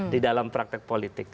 di dalam praktek politik